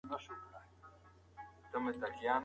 د دغي غونډې راپور په درو ژبو کي په کمپیوټر کي ولیکل سو.